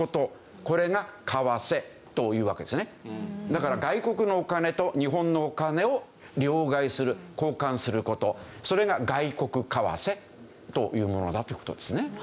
だから外国のお金と日本のお金を両替する交換する事それが外国為替というものだという事ですね。